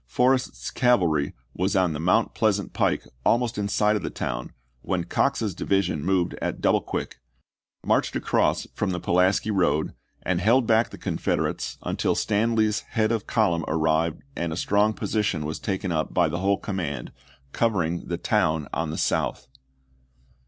Forrest's cavalry was on the Mount Pleasant pike almost in sight of the town when Cox's division moved at double quick, marched across from the Pulaski road, and held back the Confederates until Stanley's head of column ar rived and a strong position was taken up by the whole command, covering the town on the south.